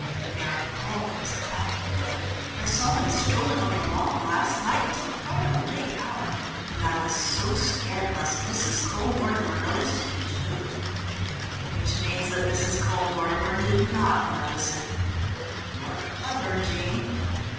"They are always about together. I saw them strolling on the lawn last night till quite a late hour, and I was so scared lest Mrs. Cole Mortimer noticed it too " "Which means that Mrs. Cole Mortimer did not notice it. You're clever, Jean!